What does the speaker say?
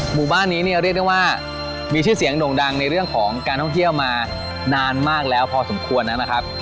หมู่บ้านนี้เนี่ยเรียกได้ว่ามีชื่อเสียงโด่งดังในเรื่องของการท่องเที่ยวมานานมากแล้วพอสมควรนะครับ